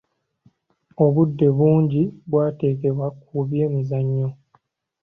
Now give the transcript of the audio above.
Obudde bungi bwateekebwa ku bya mizannyo.